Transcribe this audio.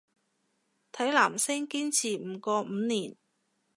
睇男星堅持唔過五年